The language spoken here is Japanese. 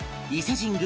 神宮